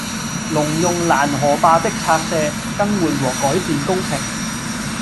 農用攔河壩的拆卸、更換和改善工程